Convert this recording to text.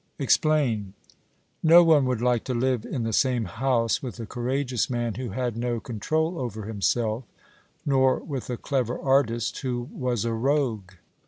'Explain.' No one would like to live in the same house with a courageous man who had no control over himself, nor with a clever artist who was a rogue.